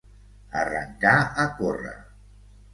Arrencar a córrer.